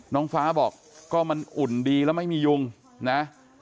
น้องฟ้าบอกก็มันอุ่นดีแล้วไม่มียุงนะ